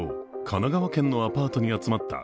神奈川県のアパートに集まった